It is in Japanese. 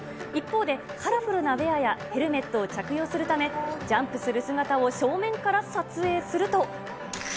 一方で、カラフルなウエアやヘルメットを着用するため、ジャンプする姿を正面から撮影すると。